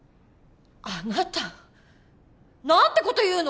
あなた何てこと言うの！？